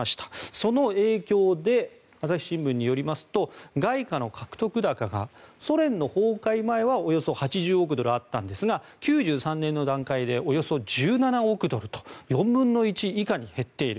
その影響で朝日新聞によりますと外貨の獲得高がソ連の崩壊前はおよそ８０億ドルあったのですが１９９３年の段階でおよそ１７億ドルと４分の１以下に減っている。